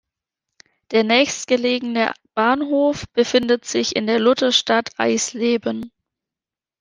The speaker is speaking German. Der nächstgelegene Bahnhof befindet sich in der Lutherstadt Eisleben.